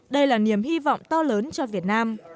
đây là niềm hy vọng to lớn cho việt nam